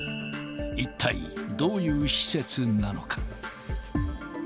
一体どういう施設なのか。